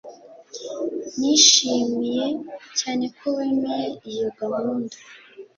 Nishimiye cyane ko wemeye iyo gahunda